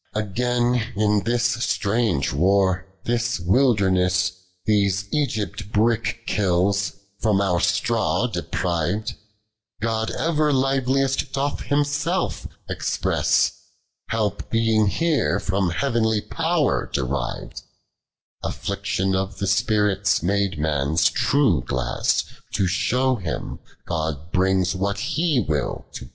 .1 ''il OP BBUQIOy. 103. Again, in this strange var, this wildfrness. These Kgfpt brick kills, from our straw dej God ever livelicdt dolh Himself express : Help being here from heavenly pow'r dcriT'i AfBiction of the Spirit made mnn's true g To shew him, God brings what lie will tc 104.